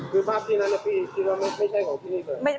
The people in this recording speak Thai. อ๋อคือภาพที่นั้นที่เราไม่ใช่ของพี่นี่ก็